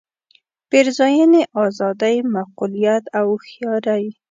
پېرزوینې آزادۍ معقولیت او هوښیارۍ.